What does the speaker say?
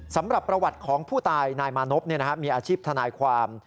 สำหรับประวัติของผู้ตายนายมานพมีอาชีพทนายความ